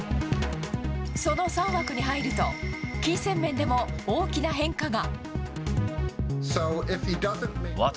その３枠に入ると金銭面でも大きな変化が。